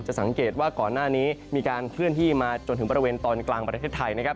สังเกตว่าก่อนหน้านี้มีการเคลื่อนที่มาจนถึงบริเวณตอนกลางประเทศไทยนะครับ